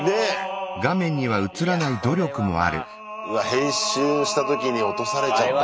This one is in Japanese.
編集した時に落とされちゃったのか。